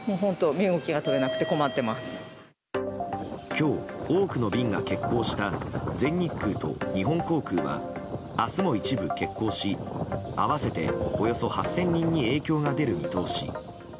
今日、多くの便が欠航した全日空と日本航空は明日も一部欠航し合わせておよそ８０００人に影響が出る見通し。